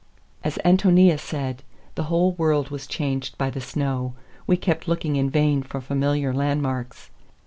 As Ántonia said, the whole world was changed by the snow; we kept looking in vain for familiar landmarks.